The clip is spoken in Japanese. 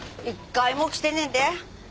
一回も来てねえで。